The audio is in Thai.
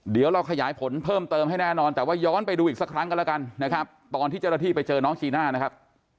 เดี๋ยวเราขยายผลเพิ่มเติมให้แน่นอนแต่ว่าย้อนไปดูอีกสักครั้งกันแล้วกันนะครับตอนที่เจ้าหน้าที่ไปเจอน้องจีน่านะครับ